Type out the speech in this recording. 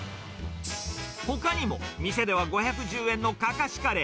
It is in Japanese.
ほかにも店では５１０円のかかしカレー。